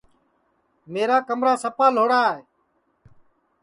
میرا کمرا سپا لھوڑا ہے